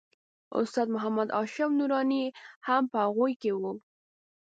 استاد محمد هاشم نوراني هم په هغوی کې و.